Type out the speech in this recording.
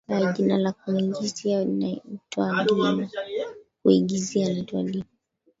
jina laa kuingizia naitwa dino